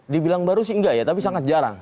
dibilang baru sih enggak ya tapi sangat jarang